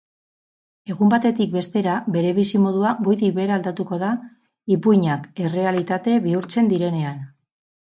Egun batetik bestera bere bizimodua goitik behera aldatuko da ipuinak errealitate bihurtzen direnean.